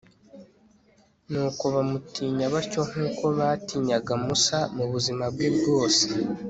nuko bamutinya batyo nk'uko batinyaga musa mu buzima bwe bwose